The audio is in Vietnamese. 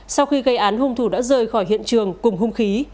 sau khi gây án hung thủ đã rời khỏi hiện trường cùng hung khí